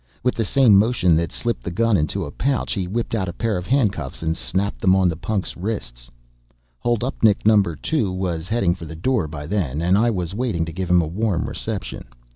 With the same motion that slipped the gun into a pouch he whipped out a pair of handcuffs and snapped them on the punk's wrists. Holdupnik number two was heading for the door by then, and I was waiting to give him a warm reception.